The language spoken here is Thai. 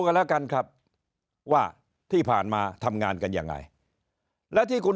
กันแล้วกันครับว่าที่ผ่านมาทำงานกันยังไงแล้วที่คุณ